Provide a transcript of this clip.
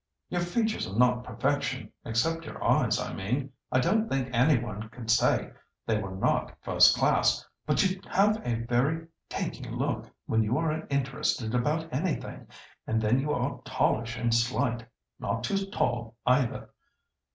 Your features are not perfection, except your eyes, I mean—I don't think any one could say they were not first class. But you have a very taking look when you are interested about anything; and then you are tallish and slight—not too tall either.